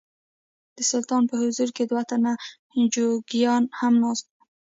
د سلطان په حضور کې دوه تنه جوګیان هم ناست وو.